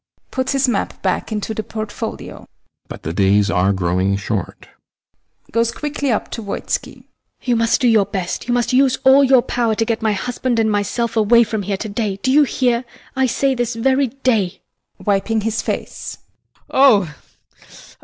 [Puts his map back into the portfolio] But the days are growing short. HELENA. [Goes quickly up to VOITSKI] You must do your best; you must use all your power to get my husband and myself away from here to day! Do you hear? I say, this very day! VOITSKI. [Wiping his face] Oh!